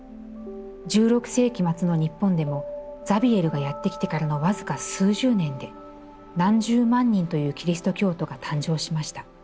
１６世紀末の日本でも、ザビエルがやって来てからのわずか数十年で何十万人というキリスト教徒が誕生しました。